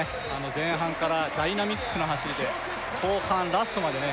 前半からダイナミックな走りで後半ラストまでね